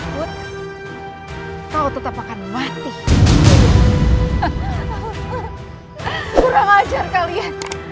kurang ajar kalian